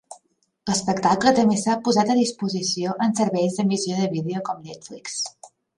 L'espectacle també s'ha posat a disposició en serveis d'emissió de vídeo com Netflix.